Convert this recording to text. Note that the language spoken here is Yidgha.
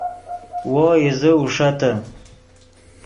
وو ایزے اوݰتے